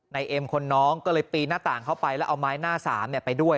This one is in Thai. เอ็มคนน้องก็เลยปีนหน้าต่างเข้าไปแล้วเอาไม้หน้าสามไปด้วย